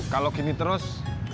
kalau gini terus